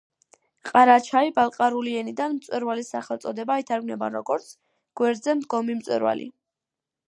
ყარაჩაი-ბალყარული ენიდან მწვერვალის სახელწოდება ითარგმნება როგორც „გვერდზე მდგომი მწვერვალი“.